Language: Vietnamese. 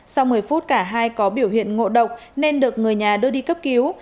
sau một mươi phút cả hai có biểu hiện ngộ độc nên được người nhà đưa đi cấp cứu